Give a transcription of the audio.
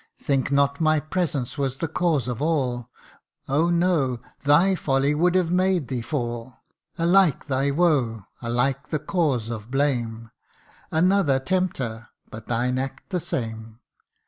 Think not my presence was the cause of all Oh no, thy folly would have made thee fall : Alike thy woe alike the cause of blame Another tempter, but thine act the same.